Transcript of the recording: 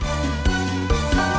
masih ada yang mau berbicara